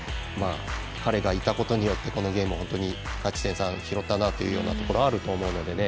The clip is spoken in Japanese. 彼がいたことによってこのゲームは本当に勝ち点３を拾ったなというところがあると思うのでね